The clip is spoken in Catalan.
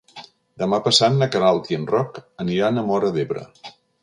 Demà passat na Queralt i en Roc aniran a Móra d'Ebre.